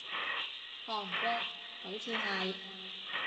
韓國，好似係